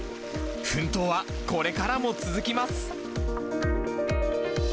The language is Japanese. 奮闘はこれからも続きます。